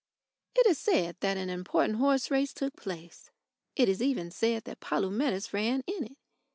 It is said that an important horse race took place. It is even said that Polumetis ran in it.